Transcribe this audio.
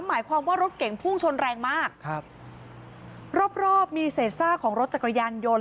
หมายความว่ารถเก่งพุ่งชนแรงมากครับรอบรอบมีเศษซากของรถจักรยานยนต์